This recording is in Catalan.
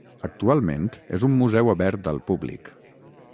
Actualment és un museu obert al públic.